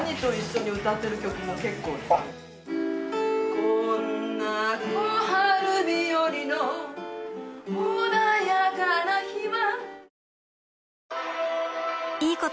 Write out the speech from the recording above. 「こんな小春日和の穏やかな日は」